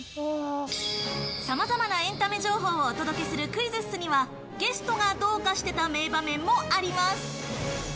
さまざまなエンタメ情報をお届けするクイズッスには、ゲストがどうかしていた名場面もあります。